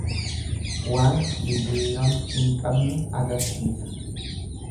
Waan jijiirama hin qabne agarsiisa.